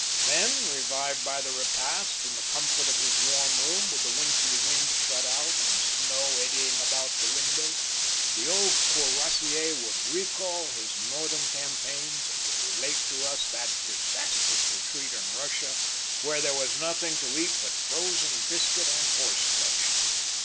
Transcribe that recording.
Then, revived by the repast, in the comfort of his warm room with the wintry wind shut out and the snow eddying about the window, the old Cuirassier would recall his Northern campaigns and would relate to us that disastrous retreat in Russia where there was nothing to eat but frozen biscuit and horseflesh.